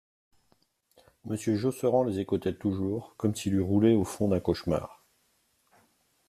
Monsieur Josserand les écoutait toujours, comme s'il eût roulé au fond d'un cauchemar.